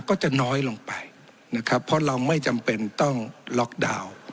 ก็จะน้อยลงไปนะครับเพราะเราไม่จำเป็นต้องล็อกดาวน์